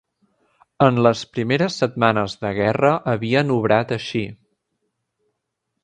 En les primeres setmanes de guerra havien obrat així